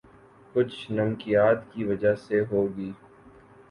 کچھ نمکیات کی وجہ سے ہوگی